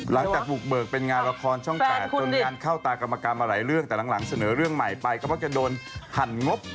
หลังจากบุกเบิกเป็นงานละครช่อง๘จนงานเข้าตากรรมกรรมมาหลายเรื่องแต่หลังเสนอเรื่องใหม่ไปก็มักจะโดนหั่นงบ